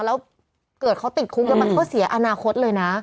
แล้วเกิดเขาติดคุกแล้วมันก็เสียอนาคตเลยนะ